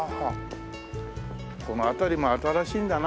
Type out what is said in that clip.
この辺りも新しいんだな。